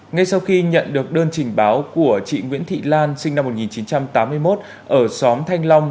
ngay sau khi nhận được đơn trình báo của chị nguyễn thị lan sinh năm một nghìn chín trăm tám mươi một ở xóm thanh long